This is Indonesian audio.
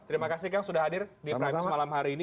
terima kasih kang sudah hadir di prime news malam hari ini